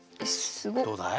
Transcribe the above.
どうだい？